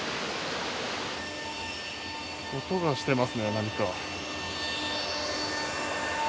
音がしてますね何か。